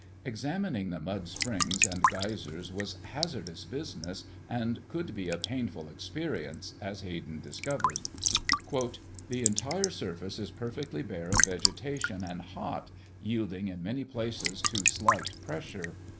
Examining the mud springs and geysers was hazardous business and could be a painful experience, as Hayden discovered: "The entire surface is perfectly bare of vegetation and hot, yielding in many places to slight pressure.